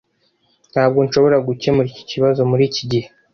Ntabwo nshobora gukemura icyo kibazo muri iki gihe.